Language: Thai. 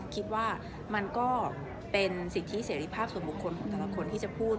คิดว่ามันก็เป็นสิทธิเสรีภาพส่วนบุคคลของแต่ละคนที่จะพูด